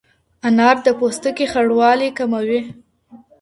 انار د پوستکي خړوالی کموي.